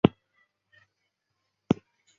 光绪十七年中武举。